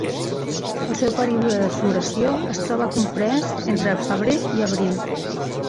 El seu període de floració es troba comprés entre febrer i abril.